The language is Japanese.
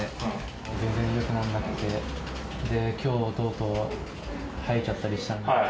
全然よくならなくて、で、きょうはとうとう吐いちゃったりしたんで。